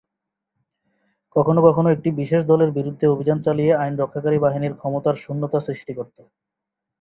কখনও কখনও একটি বিশেষ দলের বিরুদ্ধে অভিযান চালিয়ে আইন রক্ষাকারী বাহিনী ক্ষমতার শূন্যতা সৃষ্টি করত।